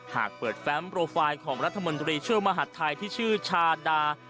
หากเปิดแฟมโปรไฟล์ของรัฐมนตรีช่วยมหาดไทยที่ชื่อชาดา